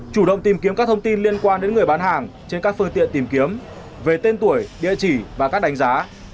chủ động tìm kiếm các thông tin liên quan đến người bán hàng trên các phương tiện tìm kiếm về tên tuổi địa chỉ và các đánh giá